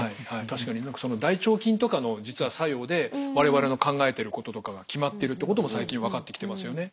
確かに大腸菌とかの実は作用でわれわれの考えていることとかが決まっているってことも最近分かってきてますよね。